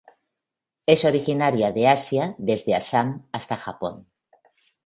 Es originaria de Asia desde Assam hasta Japón.